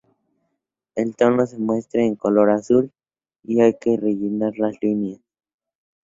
El tono se muestra en color azul, y hay que rellenar las líneas.